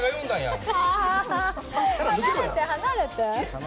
離れて離れて。